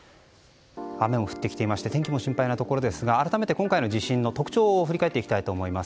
雨も降ってきていまして天気も心配なところですが改めて今回の地震の特徴を振り返ります。